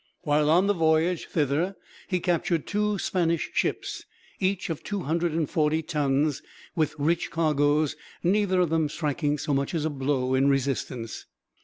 While on the voyage thither he captured two Spanish ships, each of 240 tons, with rich cargoes, neither of them striking so much as a blow in resistance.